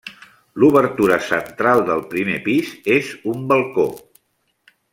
L'obertura central del primer pis és un balcó.